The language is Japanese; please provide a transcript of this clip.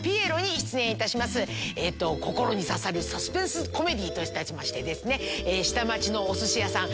心に刺さるサスペンスコメディーといたしまして下町のおすし屋さん